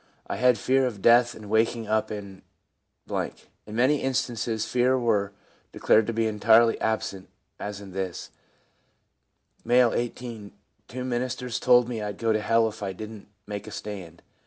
I had fear of death and waking up in / In many instances fears were declared to be entirely absent, as in this : M., 18. * Two ministers told me I'd go to hell if I didn't make a stand.